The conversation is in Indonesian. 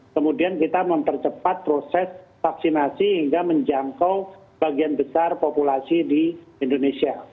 kemudian kita mempercepat proses vaksinasi hingga menjangkau bagian besar populasi di indonesia